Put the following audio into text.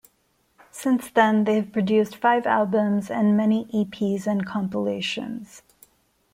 Since then, they have produced five albums and many eps and compilations.